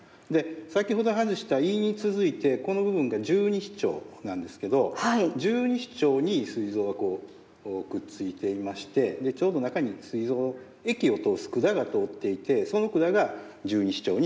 先ほど外した胃に続いてこの部分が十二指腸なんですけど十二指腸にすい臓がこうくっついていましてでちょうど中にすい臓の液を通す管が通っていてその管が十二指腸に出ています。